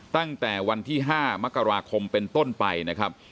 ตั้งแต่วันที่๕มกราคมเป็นต้นไปนะครับ